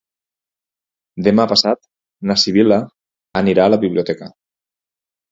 Demà passat na Sibil·la anirà a la biblioteca.